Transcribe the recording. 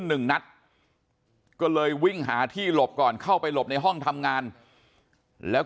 หนึ่งนัดก็เลยวิ่งหาที่หลบก่อนเข้าไปหลบในห้องทำงานแล้ว